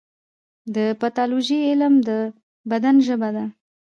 د پیتالوژي علم د بدن ژبه ده.